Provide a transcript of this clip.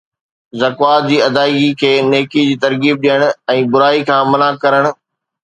زڪوات جي ادائگي کي نيڪي جي ترغيب ڏيڻ ۽ برائي کان منع ڪرڻ